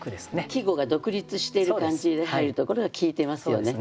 季語が独立している感じで入るところが効いてますよね。